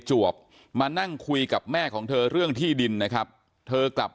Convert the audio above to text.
จวบมานั่งคุยกับแม่ของเธอเรื่องที่ดินนะครับเธอกลับ